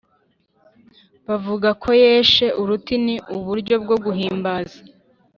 bavugako yeshe uruti ni uburyo bwo guhimbaza